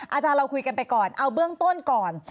อาจารย์เราคุยกันไปก่อนเอาเบื้องต้นก่อน